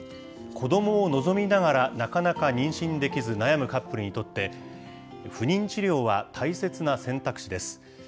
子どもを望みながらなかなか妊娠できず悩むカップルにとって、不妊治療は大切な選択肢です。